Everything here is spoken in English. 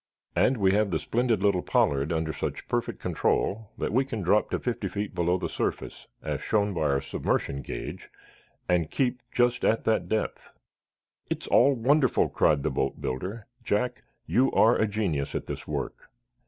And we have the splendid little 'Pollard' under such perfect control that we can drop to fifty feet below the surface, as shown by our submersion gauge, and keep just at that depth." "It's all wonderful," cried the boatbuilder. "Jack, you are a genius at this work!"